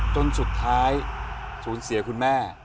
จนสุดท้ายสูญเสียคุณแม่